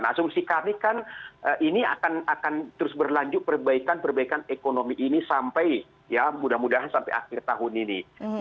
asumsi kami kan ini akan terus berlanjut perbaikan perbaikan ekonomi ini sampai ya mudah mudahan sampai akhir tahun ini